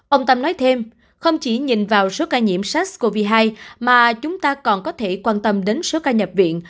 ông tâm nói thêm không chỉ nhìn vào số ca nhiễm sars cov hai mà chúng ta còn có thể quan tâm đến số ca nhập viện